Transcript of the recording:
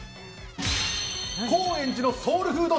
高円寺のソウルフード！